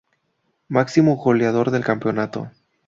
Máximo goleador del campeonato.